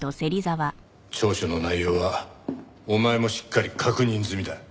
調書の内容はお前もしっかり確認済みだ。